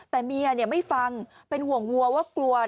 แต่เมียไม่ฟังเป็นห่วงวัวว่ากลัว